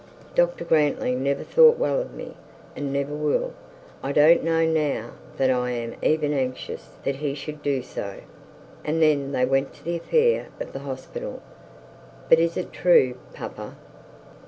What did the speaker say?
Dr Grantly never thought well of me, and never will. I don't know now that I an even anxious that he should do so.' And then they went to the affair of the hospital. 'But is it true, papa?'